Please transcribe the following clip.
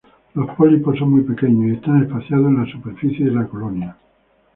Los pólipos son muy pequeños y están espaciados en la superficie de la colonia.